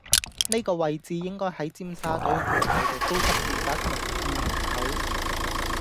呢個位置應該係尖沙咀河內道￼高級住宅名鑄門口